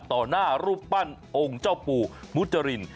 ต่อหน้ารูปปั้นองค์เจ้าปู่มุจริน